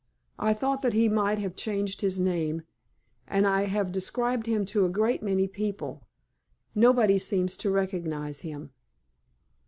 I thought that he might have changed his name, and I have described him to a great many people. Nobody seems to recognize him."